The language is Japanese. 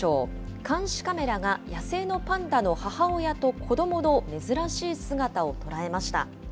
監視カメラが野生のパンダの母親と子どもの珍しい姿を捉えました。